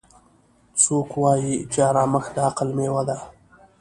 څوک وایي چې ارامښت د عقل میوه ده